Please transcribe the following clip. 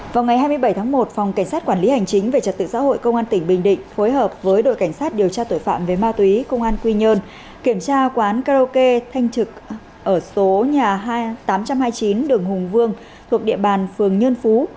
vào ngày hai mươi bảy tháng một phòng cảnh sát quản lý hành chính về trật tự xã hội công an tỉnh bình định phối hợp với đội cảnh sát điều tra tội phạm về ma túy công an quy nhơn kiểm tra quán karaoke thanh trực ở số nhà tám trăm hai mươi chín đường hùng vương thuộc địa bàn phường nhơn phú